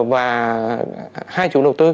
và hai chủ đầu tư